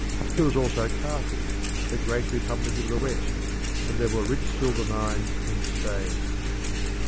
There was also Carthage, the great republic of the West, and there were rich silver mines in Spain.